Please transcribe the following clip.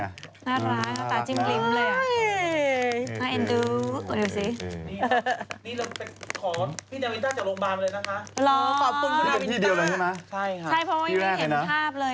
น่ารักตาจิ้มกลิ้มเลย